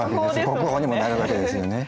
国宝にもなるわけですよね。